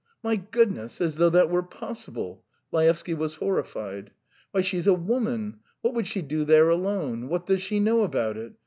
"My goodness, as though that were possible!" Laevsky was horrified. "Why, she's a woman; what would she do there alone? What does she know about it?